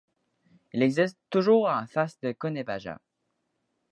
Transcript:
Il existe toujours en face de Konepaja.